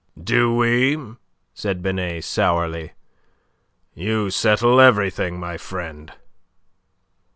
"Do we?" said Binet, sourly. "You settle everything, my friend."